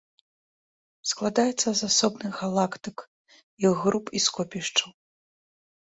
Складаецца з асобных галактык, іх груп і скопішчаў.